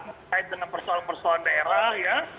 terkait dengan persoalan persoalan daerah ya